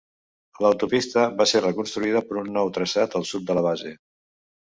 L'autopista va ser reconstruïda per un nou traçat al sud de la base.